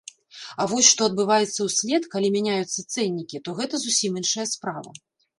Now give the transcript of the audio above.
А вось што адбываецца ўслед, калі мяняюцца цэннікі, то гэта зусім іншая справа.